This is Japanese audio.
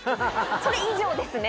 それ以上ですね。